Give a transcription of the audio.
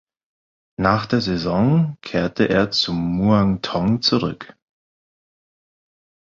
Nach der Saison kehrte er zu Muangthong zurück.